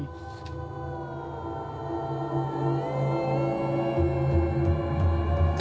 เพื่อสทำนะคะ